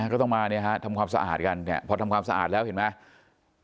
ก็ต้องมาเนี่ยฮะทำความสะอาดกันเนี่ยพอทำความสะอาดแล้วเห็นไหม